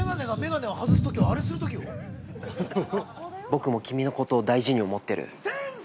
◆僕も君のことを大事に思ってる。